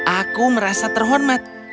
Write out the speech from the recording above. aku merasa terhormat